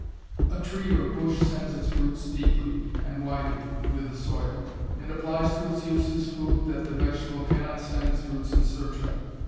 A tree or a bush sends its roots deeply and widely into the soil, and applies to its uses food that the vegetable cannot send its roots in search of.